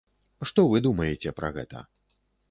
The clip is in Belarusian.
Што вы думаеце пра гэта?